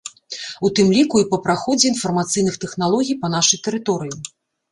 У тым ліку і па праходзе інфармацыйных тэхналогій па нашай тэрыторыі.